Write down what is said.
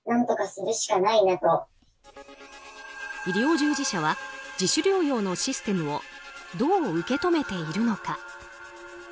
医療従事者は自主療養のシステムをどう受け止めているのか。